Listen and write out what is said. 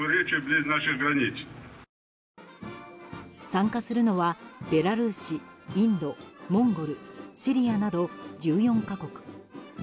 参加するのはベラルーシ、インド、モンゴルシリアなど１４か国。